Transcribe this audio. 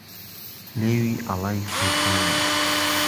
لێوی ئهڵهی قهیتانه